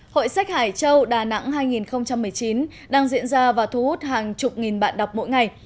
hội sách hải châu đà nẵng hai nghìn một mươi chín đang diễn ra và thu hút hàng chục nghìn bạn đọc mỗi ngày